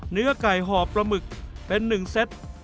เนื้อไก่ห่อปลาหมึกเป็นหนึ่งเซ็ต